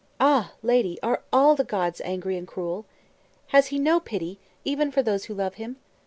Ah! lady, are all the gods angry and cruel? Has he no pity, even for those who love him?